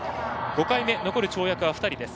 ５回目、残る跳躍２人。